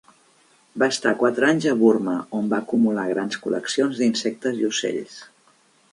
Va estar quatre anys a Burma, on va acumular grans col·leccions d'insectes i ocells.